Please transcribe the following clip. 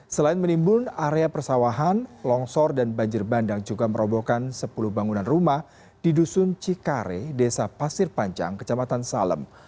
selain menimbun area persawahan longsor dan banjir bandang juga merobohkan sepuluh bangunan rumah di dusun cikare desa pasir panjang kecamatan salem